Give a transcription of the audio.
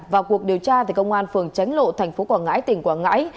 và cuộc điều tra tại công an phường tránh lộ tp quảng ngãi tỉnh quảng ngãi